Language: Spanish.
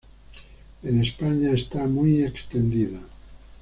En España está muy extendida.